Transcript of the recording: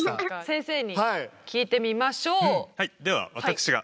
先生に聞いてみましょう。